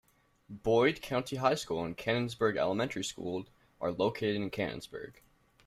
Boyd County High School and Cannonsburg Elementary School are located in Cannonsburg.